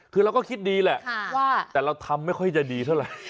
คือเราก็คิดดีแหละว่าแต่เราทำไม่ค่อยจะดีเท่าไหร่